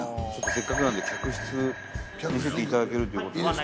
せっかくなんで客室見せていただけるっていう事なんで。